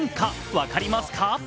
分かりますか？